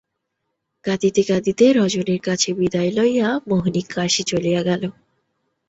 কাঁদিতে কাঁদিতে রজনীর কাছে বিদায় লইয়া মোহিনী কাশী চলিয়া গেল।